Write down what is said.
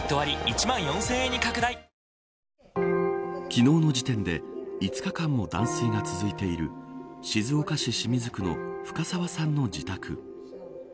昨日の時点で５日間も断水が続いている静岡市清水区の深澤さんの自宅。